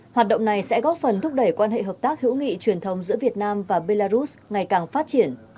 hoạt động này sẽ góp phần thúc đẩy quan hệ hợp tác hữu nghị truyền thống giữa việt nam và belarus ngày càng phát triển